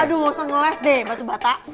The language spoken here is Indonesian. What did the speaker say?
aduh gak usah ngeles deh batu bata